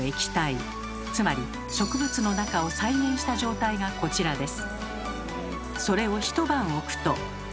つまり植物の中を再現した状態がこちらです。